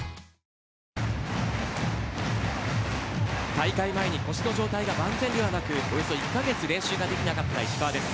大会前に腰の状態が万全ではなくおよそ１か月練習ができなかった石川です。